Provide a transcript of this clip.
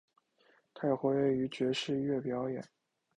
他也活跃于爵士乐表演。